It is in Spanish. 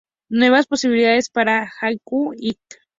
Nuevas posibilidades para Haiku, Inc.